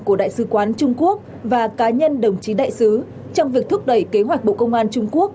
của đại sứ quán trung quốc và cá nhân đồng chí đại sứ trong việc thúc đẩy kế hoạch bộ công an trung quốc